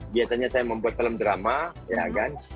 biasanya saya membuat film drama ya kan